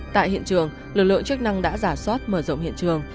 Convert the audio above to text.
tại hiện trường lực lượng chức năng đã giả soát mở rộng hiện trường